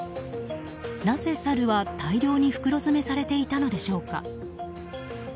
なぜ、サルは大量に袋詰めされていたのでしょうか。